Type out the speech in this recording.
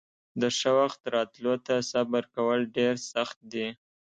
د ښه وخت راتلو ته صبر کول ډېر سخت دي.